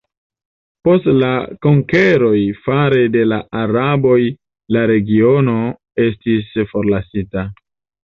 Post la konkeroj fare de la araboj la regiono estis forlasita.